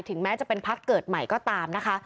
แม้จะเป็นพักเกิดใหม่ก็ตามนะคะ